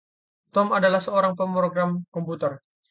Tom adalah seorang pemrogram komputer.